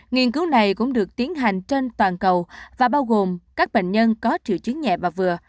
nghiên cứu này cũng được tiến hành trên toàn cầu và bao gồm các bệnh nhân có triệu chứng nhẹ và vừa